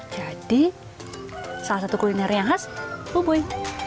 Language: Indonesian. jadi salah satu kuliner yang khas bubui